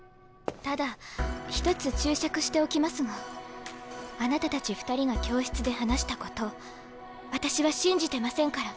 ただ一つ注釈しておきますがあなたたち２人が教室で話したこと私は信じてませんから。